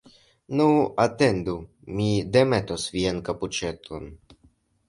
Nu, atendu, mi demetos vian kapuĉeton!